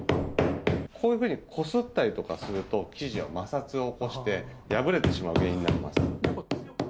こういうふうにこすったりすると生地は摩擦を起こして破れていく原因になります。